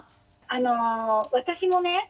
あの私もね